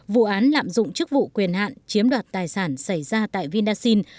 vụ án lạm dụng chức vụ quyền hạn chiếm đoạt tài sản xảy ra tại vindasin